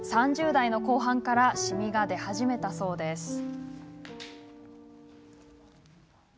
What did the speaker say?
３０代の後半からシミが出始めたそうです。